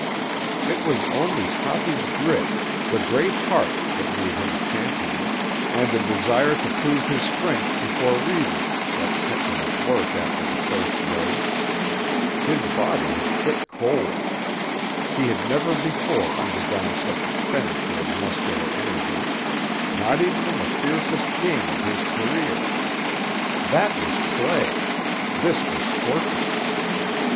It was only Toppy's grit—the "great heart" that had made him a champion—and the desire to prove his strength before Reivers that kept him at work after the first day. His body had quit cold. He had never before undergone such expenditure of muscular energy, not even in the fiercest game of his career. That was play; this was torture.